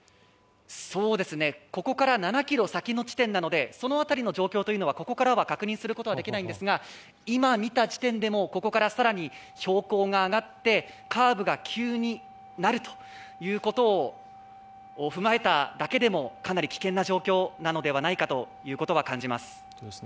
ここから７ｋｍ先の地点なのでその辺りの状況はここからは確認することはできないんですが、今見た地点でも、ここからさらに標高が上がってカーブが急になるということを踏まえただけでもかなり危険な状況なのではないかということは感じます。